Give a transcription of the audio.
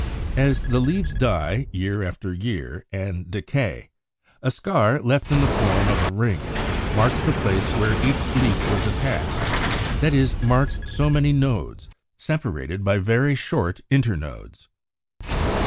As the leaves die, year by year, and decay, a scar left in the form of a ring marks the place where each leaf was attached, that is, marks so many nodes, separated by very short internodes.